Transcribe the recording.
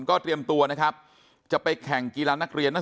คุณยายบอกว่ารู้สึกเหมือนใครมายืนอยู่ข้างหลัง